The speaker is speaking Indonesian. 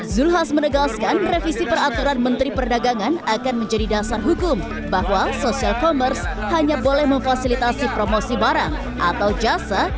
zulkifli hasan menegaskan revisi peraturan menteri perdagangan akan menjadi dasar hukum bahwa social commerce hanya boleh memfasilitasi promosi barang atau jasa